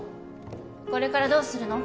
これからどうするの？